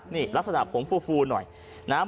นี่ลักษณะผมฟูหน่อยนะฮะ